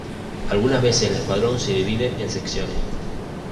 Algunas veces el escuadrón se divide en secciones.